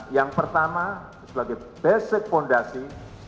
yang pertama sebagai basic fondasi